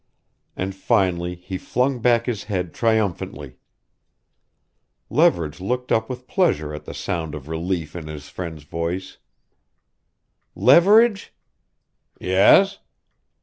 And finally he flung back his head triumphantly. Leverage looked up with pleasure at the sound of relief in his friend's voice "Leverage?" "Yes?"